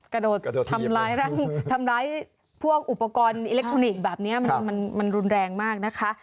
กระโดดทำร้ายทำร้ายพวกอุปกรณ์อิเล็กทรอนิกส์แบบนี้มันรุนแรงมากนะคะ